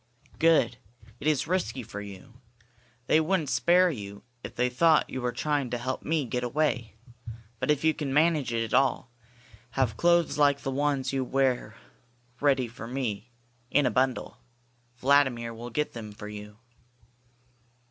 "Good! It is risky for you. They wouldn't spare you if they caught you trying to help me to get away. But if you can manage it at all, have clothes like the ones you wear ready for me, in a bundle. Vladimir will get them for you."